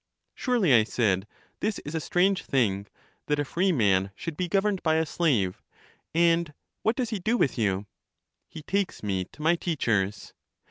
Surely, I said, this is a strange thing, that a free man should be governed by a slave. And what does he do with you? He takes me to my teachers.